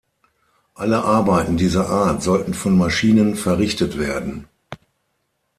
Alle Arbeiten dieser Art sollten von Maschinen verrichtet werden“.